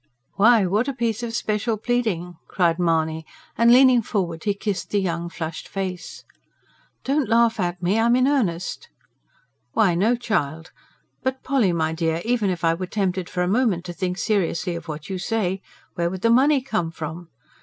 "Why, what a piece of special pleading!" cried Mahony, and leaning forward, he kissed the young flushed face. "Don't laugh at me. I'm in earnest." "Why, no, child. But Polly, my dear, even if I were tempted for a moment to think seriously of what you say, where would the money come from?